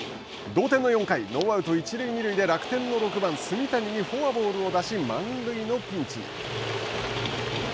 同点の４回ノーアウト一塁二塁で楽天の６番炭谷にフォアボールを出し、満塁のピンチに。